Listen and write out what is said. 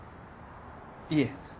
いえ。